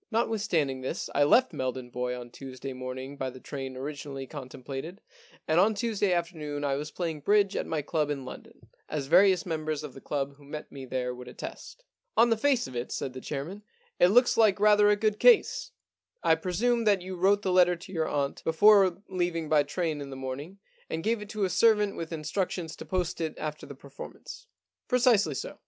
Notwithstanding this, I left Meldon Bois on Tuesday morning by the train origin ally contemplated, and on Tuesday afternoon I was playing bridge at my club in London, as various members of the club who met me there would attest.' * On the face of it,' said the chairman, * it looks like rather a good case. I presume that you wrote the letter to your aunt before leaving by train in the morning, and gave it to a servant with instructions to post it after the performance.' * Precisely so.'